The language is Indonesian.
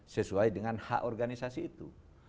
sesuai dengan hak organisasi itu